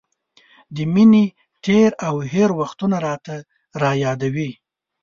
د مینې تېر او هېر وختونه راته را یادوي.